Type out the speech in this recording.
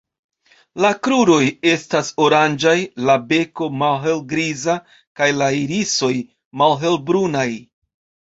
La kruroj estas oranĝaj, la beko malhelgriza kaj la irisoj malhelbrunaj.